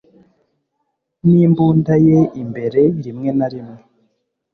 n'imbunda ye imbere. rimwe na rimwe